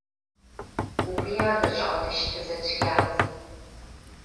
Убри агаҿаҟа дышьҭызар цәгьамызт.